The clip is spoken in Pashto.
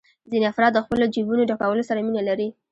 ځینې افراد د خپلو جېبونو ډکولو سره مینه لري